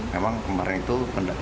memang kemarin itu